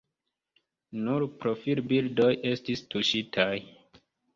Nur profilbildoj estis tuŝitaj.